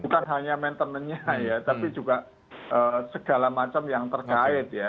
bukan hanya maintenannya ya tapi juga segala macam yang terkait ya